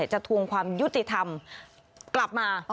ทวงความยุติธรรมกลับมา